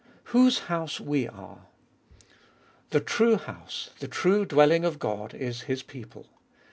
Whose house we are. The true house, the true dwelling of Gqd, is His people.